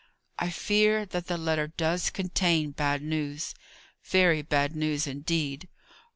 "I fear that the letter does contain bad news; very bad news, indeed.